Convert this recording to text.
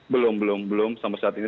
belum belum belum sampai saat ini